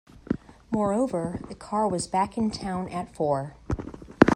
Moreover, the car was back in town at four.